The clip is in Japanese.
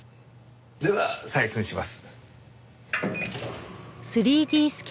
では採寸します。